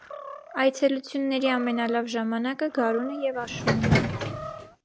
Այցելությունների ամենալավ ժամանակը գարունը և աշունն է։